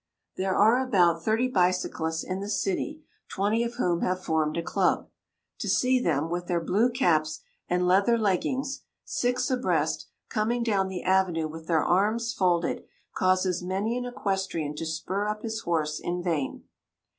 There are about thirty bicyclists in the city, twenty of whom have formed a club. To see them, with their blue caps and leather leggings, six abreast, coming down the Avenue with their arms folded, causes many an equestrian to spur up his horse in vain.